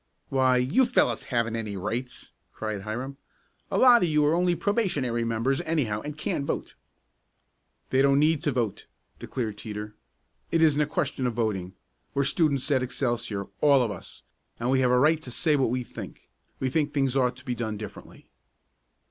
"Why, you fellows haven't any rights!" cried Hiram. "A lot of you are only probationary members, anyhow, and can't vote." "They don't need to vote," declared Teeter. "It isn't a question of voting. We're students at Excelsior all of us and we have a right to say what we think. We think things ought to be done differently."